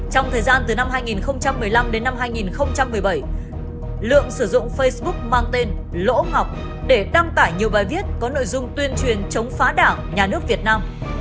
trong thời gian từ năm hai nghìn một mươi năm đến năm hai nghìn một mươi bảy lượng sử dụng facebook mang tên lỗ ngọc để đăng tải nhiều bài viết có nội dung tuyên truyền chống phá đảng nhà nước việt nam